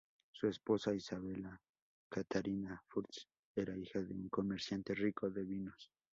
Su esposa, Isabella Catharina Fürst, era hija de un comerciante rico de vinos.